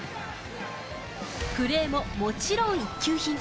プレーももちろん１級品。